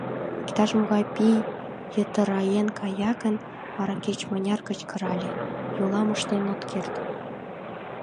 Иктаж-могай пий йытыраен кая гын, вара кеч-мыняр кычкырле, йолам ыштен от керт.